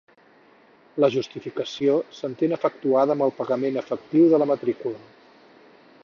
La justificació s'entén efectuada amb el pagament efectiu de la matrícula.